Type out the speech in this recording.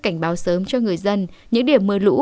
cảnh báo sớm cho người dân những điểm mưa lũ